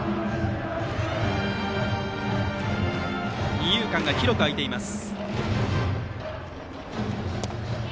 二遊間が広く空いています。